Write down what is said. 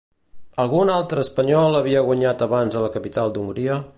Algun altre espanyol havia guanyat abans a la capital d'Hongria?